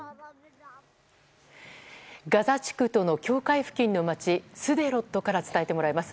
ガザ地区との境界付近の街スデロットから伝えてもらいます。